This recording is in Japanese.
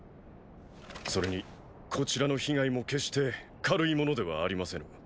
それにこちらの被害も決して軽いものではありませぬ。